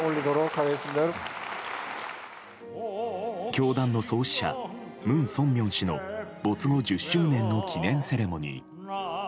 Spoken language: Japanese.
教団の創始者・文鮮明氏の没後１０周年の記念セレモニー。